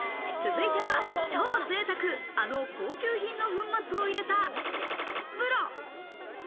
続いては超ぜいたく、あの高級品の粉末を入れた○○風呂。